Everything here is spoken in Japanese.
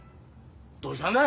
どうしたんだ？